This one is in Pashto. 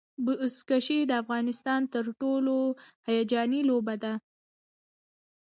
بزکشي د افغانستان تر ټولو هیجاني لوبه ده.